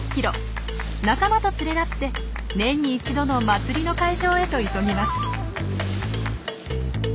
仲間と連れだって年に一度の祭りの会場へと急ぎます。